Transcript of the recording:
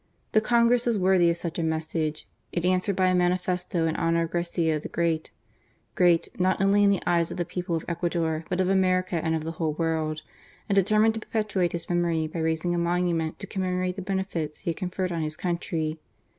The Congress was worthy of such a message. It answered by a manifesto in honour of Garcia the Great —" Great, not only in the eyes of the people of Ecuador, but of America and of the whole world ;" and determined to perpetuate his memory by raising a monument to commemorate the benefits he had conferred on his country.